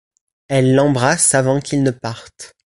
Elle l'embrasse avant qu'il ne parte.